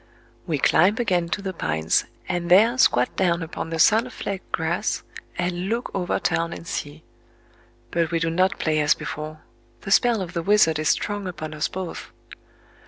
We climb again to the pines, and there squat down upon the sun flecked grass, and look over town and sea. But we do not play as before: the spell of the wizard is strong upon us both...